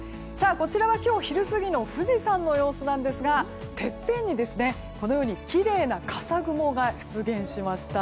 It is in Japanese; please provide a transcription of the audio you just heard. こちらは今日昼過ぎの富士山の様子なんですがてっぺんにこのようにきれいな笠雲が出現しました。